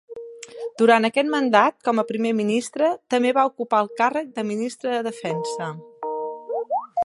Durant aquest mandat com a primer ministre, també va ocupar el càrrec de ministre de Defensa.